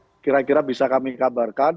jadi kalau kira kira bisa kami kabarkan